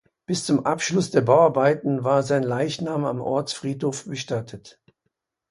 Bis zum Abschluss der Bauarbeiten war sein Leichnam am Ortsfriedhof bestattet.